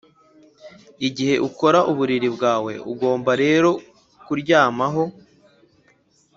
mugihe ukora uburiri bwawe, ugomba rero kuryamaho